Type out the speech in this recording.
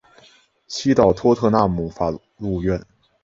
西到托特纳姆法院路。